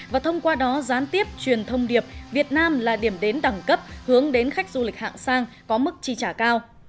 và thông qua đó gián tiếp truyền thông điệp việt nam là điểm đến đẳng cấp hướng đến khách du lịch hạng sang có mức chi trả cao